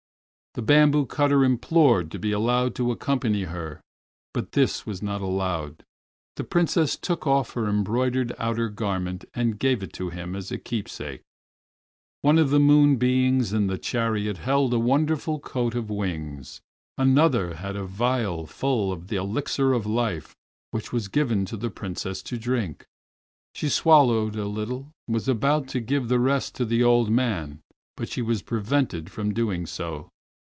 The bamboo cutter implored to be allowed to accompany her, but this was not allowed. The Princess took off her embroidered outer garment and gave it to him as a keepsake. One of the moon beings in the chariot held a wonderful coat of wings, another had a phial full of the Elixir of Life which was given the Princess to drink. She swallowed a little and was about to give the rest to the old man, but she was prevented from doing so.